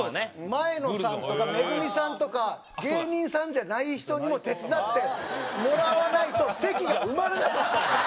前野さんとかＭＥＧＵＭＩさんとか芸人さんじゃない人にも手伝ってもらわないと席が埋まらなかったのよ！